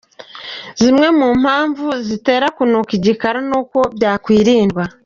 Zimwe mu mpamvu zitera kunuka igikara n’uko byakwirindwa